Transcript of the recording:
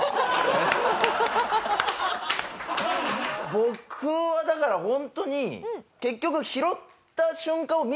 僕はだからホントに結局。